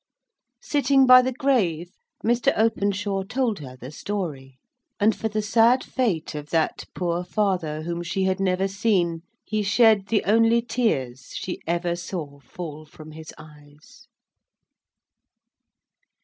Sitting by the grave, Mr. Openshaw told her the story; and for the sad fate of that poor father whom she had never seen, he shed the only tears she ever saw fall from his eyes.